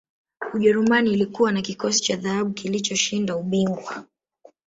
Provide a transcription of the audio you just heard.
ujerumani ilikuwa na kikosi cha dhahabu kilichoshinda ubingwa